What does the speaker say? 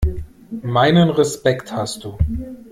Meinen Respekt hast du.